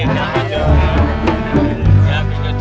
selamat malam ji